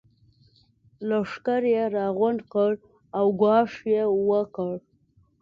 لښکر يې راغونډ کړ او ګواښ يې وکړ.